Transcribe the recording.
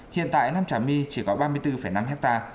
hiện tại nam trà my chỉ có ba mươi bốn năm ha